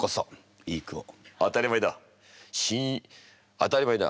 当たり前だ。